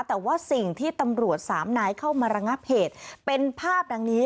แต่ว่าสิ่งที่ตำรวจสามนายเข้ามาระงับเหตุเป็นภาพดังนี้